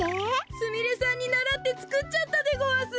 すみれさんにならってつくっちゃったでごわす！